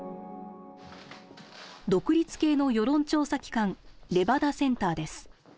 独立系の世論調査機関、レバダセンターです。